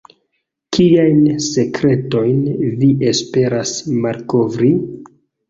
Kiajn sekretojn vi esperas malkovri?